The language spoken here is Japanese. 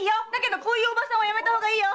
こういうおばさんはやめた方がいいよ！